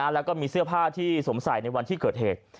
แล้วก็มีเสื้อผ้าที่สวมใส่ในวันที่เกิดเหตุ